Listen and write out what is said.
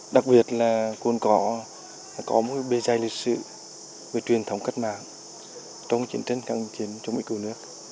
đặc biệt là cồn cỏ có một bề dây lịch sự về truyền thống cất mạng trong chiến tranh căng kiến chống bị củ nước